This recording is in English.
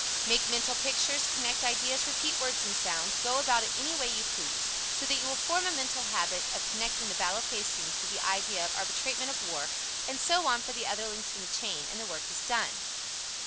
Make mental pictures, connect ideas, repeat words and sounds, go about it any way you please, so that you will form a mental habit of connecting the "battle of Hastings" with the idea of "arbitrament of war," and so on for the other links in the chain, and the work is done.